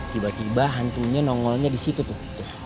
tiba tiba hantunya nongolnya disitu tuh